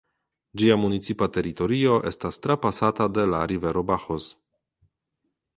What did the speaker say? Ĝia municipa teritorio estas trapasata de la rivero Bajoz.